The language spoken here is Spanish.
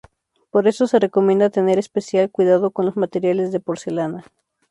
Por eso se recomienda tener especial cuidado con los materiales de porcelana.